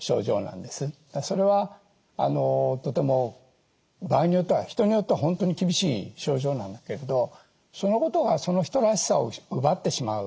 それはとても場合によっては人によっては本当に厳しい症状なんだけれどそのことはその人らしさを奪ってしまうわけではない。